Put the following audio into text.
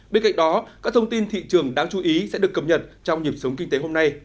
bên cạnh đó các thông tin thị trường đáng chú ý sẽ được cập nhật trong nhịp sống kinh tế hôm nay